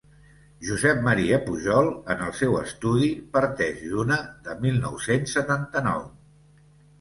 Josep Maria pujol, en el seu estudi, parteix d'una de mil nou-cents setanta-nou.